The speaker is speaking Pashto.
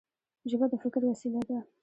ژبه د فکر وسیله ده.